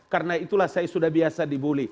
karena itulah saya sudah biasa dibully